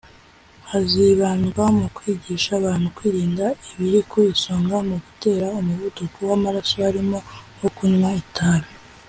hazibandwa mu kwigisha abantu kwirinda ibiri ku isonga mu gutera umuvuduko w’amaraso harimo nko kunywa itabi